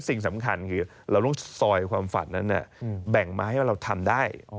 สิ่งสำคัญคือเราต้องซอยความฝันนั้นแบ่งมาให้ว่าเราทำได้